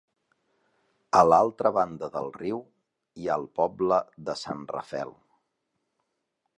A l'altra banda del riu hi ha el poble de Sant Rafel.